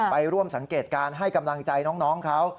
ไปร่วมสังเกตการณ์ให้กำลังใจน้องเขา